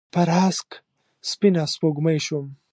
پر هسک سپینه سپوږمۍ شوم